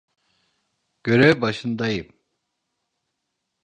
Görev başındayım.